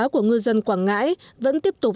của ngư dân quảng ngãi vẫn tiếp tục